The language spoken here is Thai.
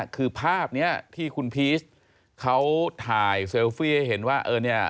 คือภาพนี้ที่คุณพีชเขาถ่ายเซลฟี่ให้เห็นว่าเออเนี่ย